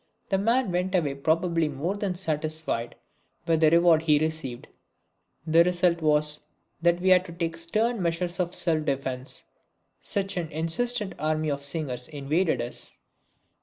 The man went away probably more than satisfied with the reward he received. The result was that we had to take stern measures of self defence, such an insistent army of singers invaded us.